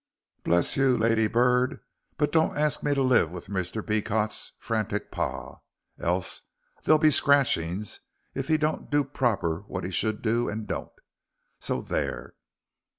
"Bless you, lady bird, but don't ask me to live with Mr. Beecot's frantic par, else there'll be scratchings if he don't do proper what he should do and don't. So there."